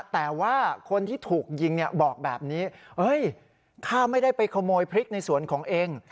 แต่ว่าคนที่ถูกยิงบอกแบบนี้ข้าไม่ได้ไปขโมยพริกในสวนของเอง